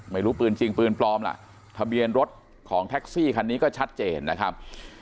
ไม่รู้ปืนจริงปืนปลอมล่ะทะเบียนรถของแท็กซี่คันนี้ก็ชัดเจนนะครับ